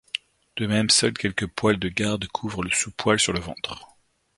De même, seuls quelques poils de garde couvrent le sous-poil sur le ventre.